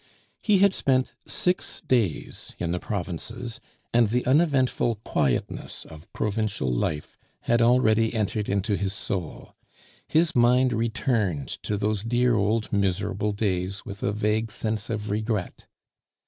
He had spent six days in the provinces, and the uneventful quietness of provincial life had already entered into his soul; his mind returned to those dear old miserable days with a vague sense of regret.